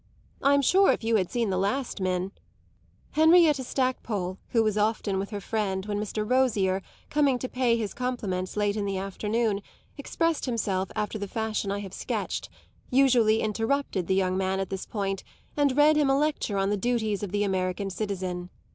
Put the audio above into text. I'm sure if you had seen the last min " Henrietta Stackpole, who was often with her friend when Mr. Rosier, coming to pay his compliments late in the afternoon, expressed himself after the fashion I have sketched, usually interrupted the young man at this point and read him a lecture on the duties of the American citizen.